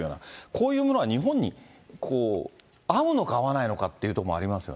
こういうものが日本に合うのか合わないのかっていうところもあり